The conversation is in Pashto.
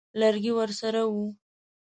لرګی ورسره وو.